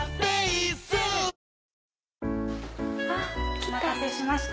お待たせしました。